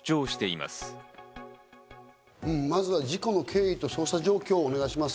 まずは事故の経緯と捜査状況をお願いします。